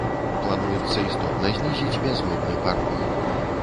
Плануецца істотна знізіць бязмытны парог.